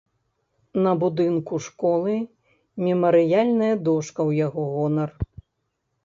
На будынку школы мемарыяльная дошка ў яго гонар.